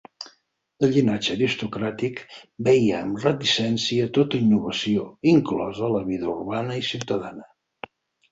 De llinatge aristocràtic, veia amb reticència tota innovació, inclosa la vida urbana i ciutadana.